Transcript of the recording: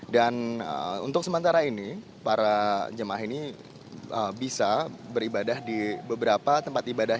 dan untuk sementara ini para jamaah ini bisa beribadah di beberapa tempat ibadah